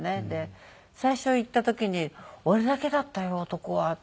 最初行った時に「俺だけだったよ男は」って。